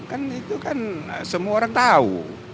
kan itu kan semua orang tahu